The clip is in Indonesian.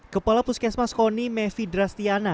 kepala puskesmas koni mevidra stiana